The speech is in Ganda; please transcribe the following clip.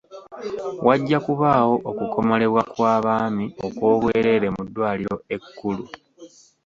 Wajja kubaawo okukomolebwa kw'abaami okw'obwereere mu ddwaliro ekkulu.